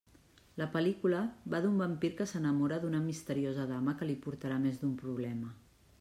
La pel·lícula va d'un vampir que s'enamora d'una misteriosa dama que li portarà més d'un problema.